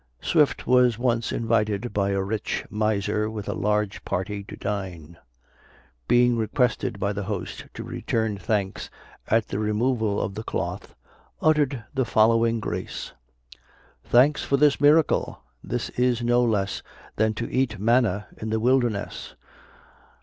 Swift was once invited by a rich miser with a large party to dine; being requested by the host to return thanks at the removal of the cloth, uttered the following grace: Thanks for this miracle! this is no less Than to eat manna in the wilderness.